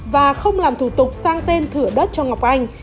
và không làm thủ tục sang tên thửa đất cho ngọc anh